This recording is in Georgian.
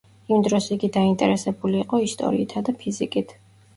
იმ დროს იგი დაინტერესებული იყო ისტორიითა და ფიზიკით.